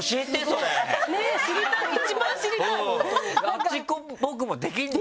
あっちっぽくもできるの？